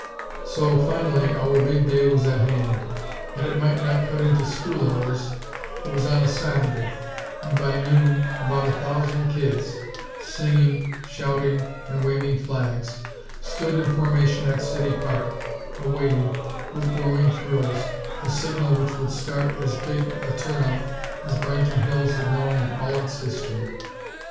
So, finally our big day was at hand! That it might not cut into school hours, it was on a Saturday; and, by noon, about a thousand kids, singing, shouting and waving flags, stood in formation at City Park, awaiting, with growing thrills, a signal which would start as big a turn out as Branton Hills had known in all its history.